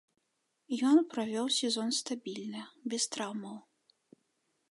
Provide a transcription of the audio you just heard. Ён правёў сезон стабільна, без траўмаў.